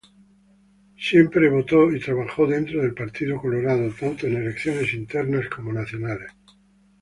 Siempre voto y trabajó dentro del Partido Colorado tanto en elecciones internas como nacionales.